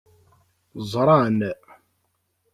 Ẓran.